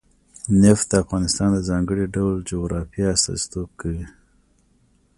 نفت د افغانستان د ځانګړي ډول جغرافیه استازیتوب کوي.